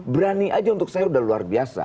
berani aja untuk saya udah luar biasa